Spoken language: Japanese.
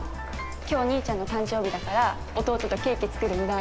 今日お兄ちゃんの誕生日だから弟とケーキ作るんだ。